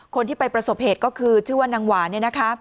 คนที่ไปประสบเหตุก็คือชื่อว่านางหวาน